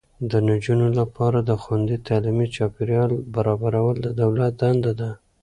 د نجونو لپاره د خوندي تعلیمي چاپیریال برابرول د دولت دنده ده.